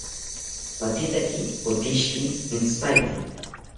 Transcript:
Patetaki otishiki entzipaete